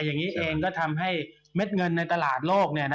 อย่างนี้เองก็ทำให้เม็ดเงินในตลาดโลก